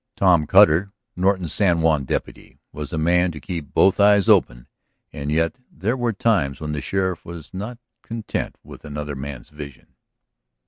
Tom Cutter, Norton's San Juan deputy, was a man to keep both eyes open, and yet there were times when the sheriff was not content with another man's vision.